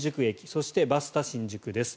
そして、バスタ新宿です。